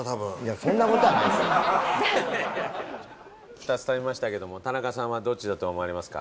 ２つ食べましたけども田中さんはどっちだと思われますか？